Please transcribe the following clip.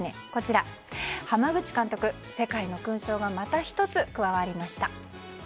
濱口監督、世界の勲章がまた１つ加わりました。